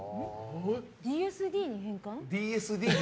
ＶＳＤに変換？